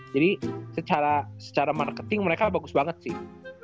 jadi secara marketing mereka bagus banget sih